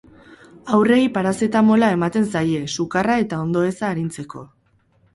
Haurrei parazetamola ematen zaie, sukarra eta ondoeza arintzeko.